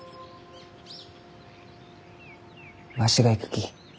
わしが行くき。